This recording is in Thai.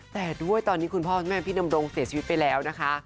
แต่ด้วยตอนนี้คุณพ่อคุณแม่พี่ดำรงเสียชีวิตไปแล้วนะคะ